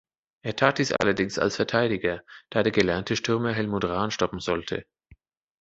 Er tat dies allerdings als Verteidiger, da der gelernte Stürmer Helmut Rahn stoppen sollte.